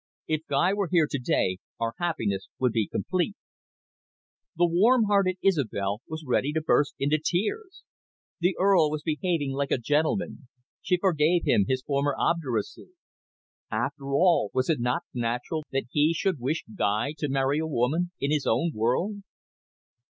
If Guy were here to day our happiness would be complete." The warm hearted Isobel was ready to burst into tears. The Earl was behaving like a gentleman; she forgave him his former obduracy. After all, was it not natural that he should wish Guy to marry a woman in his own world?